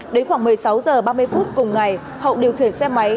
đến khoảng một mươi sáu h ba mươi phút cùng ngày hậu điều khiển xe máy